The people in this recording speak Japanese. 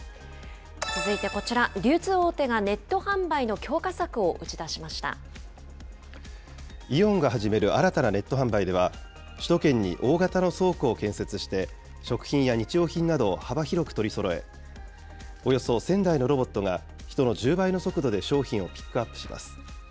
続いてこちら、流通大手がネット販売の強化策を打ち出しましイオンが始める新たなネット販売では、首都圏に大型の倉庫を建設して、食品や日用品などを幅広く取りそろえ、およそ１０００台のロボットが、人の１０倍の速度で商品をピックアップします。